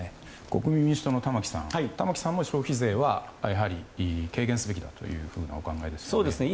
国民民主党の玉木さんも消費税はやはり軽減すべきだとお考えですか？